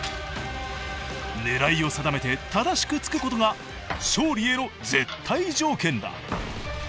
狙いを定めて正しく突くことが勝利への絶対条件だ。